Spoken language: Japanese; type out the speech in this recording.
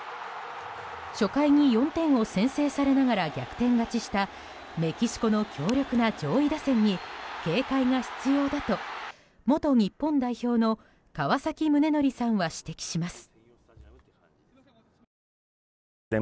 初回に４回を先制されながら逆転勝ちしたメキシコの強力な上位打線に警戒が必要だと元日本代表の川崎宗則さんは指摘します。